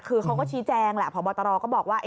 คือเขาก็ชี้แจงแหละพบตรก็บอกว่า